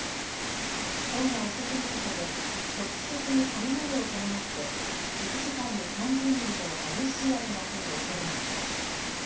今夜遅くにかけて局地的に雷を伴って１時間に３０ミリの激しい雨が降るおそれがあります。